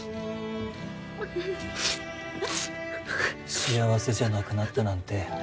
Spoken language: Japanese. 幸せじゃなくなったなんて